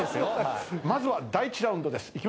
まずは第１ラウンドです。